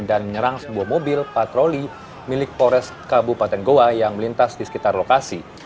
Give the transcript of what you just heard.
dan menyerang sebuah mobil patroli milik pores kabupaten goa yang melintas di sekitar lokasi